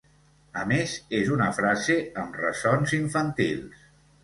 A més, és una frase amb ressons infantils.